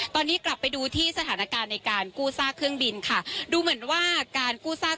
ตอนนี้กลับไปดูที่สถานการณ์ในการกู้ซากเครื่องบินค่ะดูเหมือนว่าการกู้ซาก